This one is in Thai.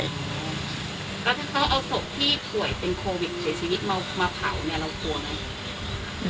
แล้วถ้าเขาเอาศพที่ป่วยเป็นโควิดเสียชีวิตมาเผาเนี่ยเรากลัวไหม